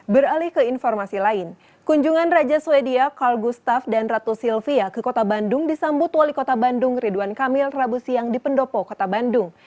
beralih ke informasi lain kunjungan raja sweden call gustav dan ratu sylvia ke kota bandung disambut wali kota bandung ridwan kamil rabu siang di pendopo kota bandung